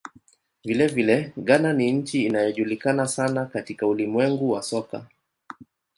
Vilevile, Ghana ni nchi inayojulikana sana katika ulimwengu wa soka.